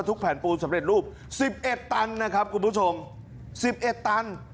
ทุกแผ่นปูสำเร็จรูปสิบเอ็ดตันนะครับคุณผู้ชมสิบเอ็ดตัน